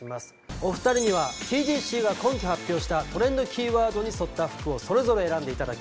お二人にはＴＧＣが今季発表したトレンドキーワードに沿った服をそれぞれ選んで頂き